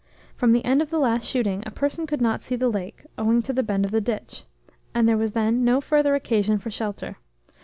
From the end of the last shooting a person could not see the lake, owing to the bend of the ditch; and there was then no further occasion for shelter.